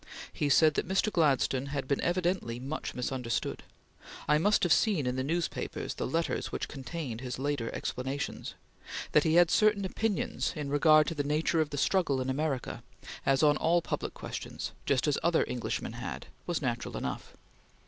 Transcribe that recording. He said that Mr. Gladstone had been evidently much misunderstood. I must have seen in the newspapers the letters which contained his later explanations. That he had certain opinions in regard to the nature of the struggle in America, as on all public questions, just as other Englishmen had, was natural enough.